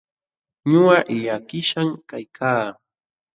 Ñuqa llakishqan kaykaa.